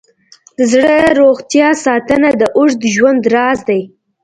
د زړه روغتیا ساتنه د اوږد ژوند راز دی.